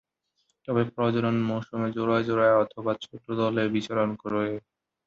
তবে প্রজনন মৌসুমে জোড়ায় জোড়ায় অথবা ছোট দলে বিচরণ করে।